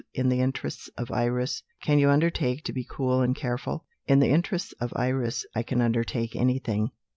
In the interests of Iris, can you undertake to be cool and careful?" "In the interests of Iris, I can undertake anything."